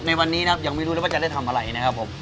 ในวันนี้นะครับยังไม่รู้เลยว่าจะได้ทำอะไรนะครับผม